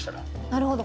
なるほど。